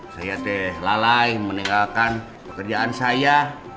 saya teh lalai meninggalkan pekerjaan saya